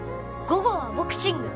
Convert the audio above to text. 午後はボクシング。